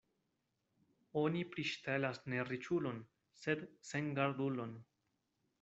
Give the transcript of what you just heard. Oni priŝtelas ne riĉulon, sed sengardulon.